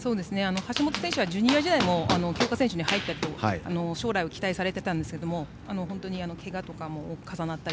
橋本選手はジュニア時代も強化選手に入ったりして将来を期待されていたんですが本当に、けがとかも重なり